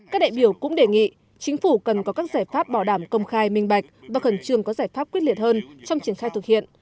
các đại biểu cũng đề nghị chính phủ cần có các giải pháp bỏ đảm công khai minh bạch và khẩn trương có giải pháp quyết liệt hơn trong triển khai thực hiện